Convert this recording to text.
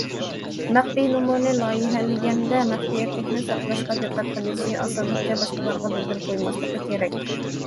مەخپىي نومۇرنى لايىھەلىگەندە، مەخپىيەتلىكنى ساقلاشقا دىققەت قىلىشى، ئاسانلىقچە باشقىلارغا بىلدۈرۈپ قويماسلىقى كېرەك.